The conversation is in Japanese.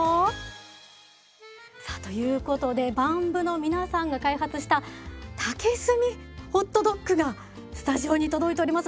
さあということでＢＡＭ部の皆さんが開発した竹炭ホットドッグがスタジオに届いております。